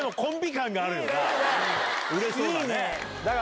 売れそうなね。